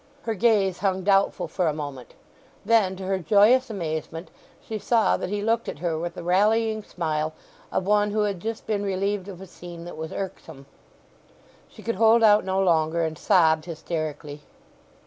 Her gaze hung doubtful for a moment, then to her joyous amazement she saw that he looked at her with the rallying smile of one who had just been relieved of a scene that was irksome. She could hold out no longer, and sobbed hysterically.